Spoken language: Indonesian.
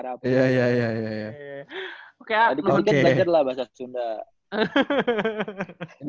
oke dikit dikit belajar lah bahasa sunda